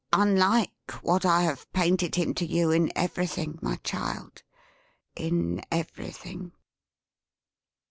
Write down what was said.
Unlike what I have painted him to you in everything, my child. In everything."